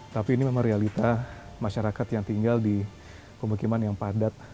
tapi ini memang realita masyarakat yang tinggal di pemukiman yang padat